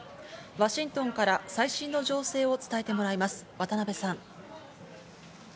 ワシントンから最新の情勢を伝えてもらいます、渡邊さん。